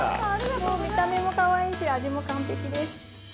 見た目もかわいいし味も完璧です。